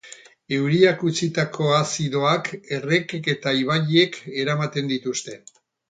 Euriak utzitako azidoak errekek eta ibaiek eramaten dituzte.